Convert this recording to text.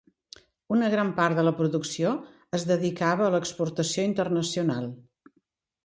Una gran part de la producció es dedicava a l'exportació internacional.